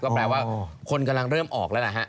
แปลว่าคนกำลังเริ่มออกแล้วล่ะฮะ